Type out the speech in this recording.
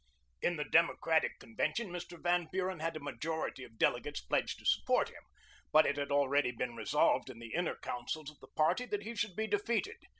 In the Democratic convention Mr. Van Buren had a majority of delegates pledged to support him; but it had already been resolved in the inner councils of the party that he should be defeated.